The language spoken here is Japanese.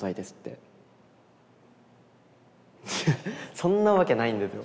そんなわけないんですよ。